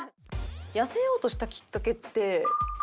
痩せようとしたきっかけって。